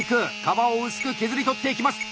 皮を薄く削り取っていきます！